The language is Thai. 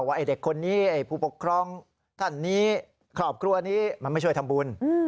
ไอ้เด็กคนนี้ไอ้ผู้ปกครองท่านนี้ครอบครัวนี้มันไม่ช่วยทำบุญ